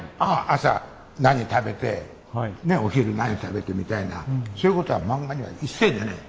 朝何食べてお昼何食べてみたいなそういうことは漫画には一切出ない。